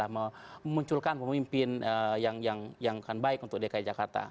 memunculkan pemimpin yang akan baik untuk dki jakarta